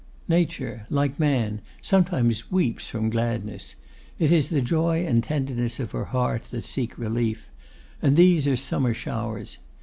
Nature, like man, sometimes weeps from gladness. It is the joy and tenderness of her heart that seek relief; and these are summer showers.